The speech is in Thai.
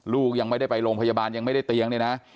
ลูกยังไม่ได้ไปโรงพยาบาลยังไม่ได้เตียงเนี่ยนะ